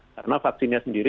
karena vaksinnya sendiri